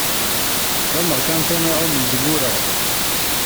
D ameṛkanti iɛummen deg ureɣ.